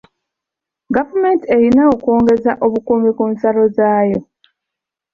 Gavumenti erina okwongeza obukuumi ku nsalo zaayo.